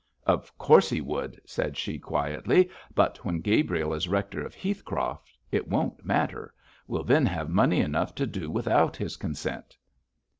'Of course he would,' said she, quietly; 'but when Gabriel is rector of Heathcroft it won't matter. We'll then have money enough to do without his consent.'